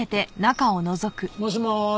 もしもーし！